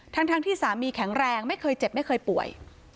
ทั้งที่สามีแข็งแรงไม่เคยเจ็บไม่เคยป่วย